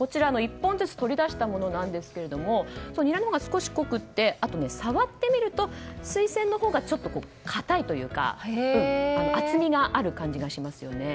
１本ずつ取り出したものなんですけれどもニラのほうが少し濃くてあとね、触ってみるとスイセンのほうがちょっと硬いというか厚みがある感じがしますよね。